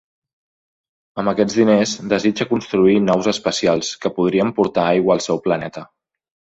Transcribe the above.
Amb aquests diners desitja construir naus espacials que podrien portar aigua al seu planeta.